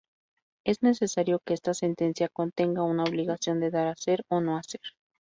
Es necesario que esta sentencia contenga una obligación de dar, hacer o no hacer.